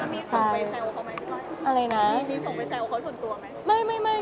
มีพี่ส่งไปเซลเวอร์เค้าส่วนตัวไหม